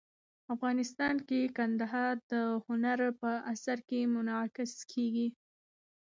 افغانستان کې کندهار د هنر په اثار کې منعکس کېږي.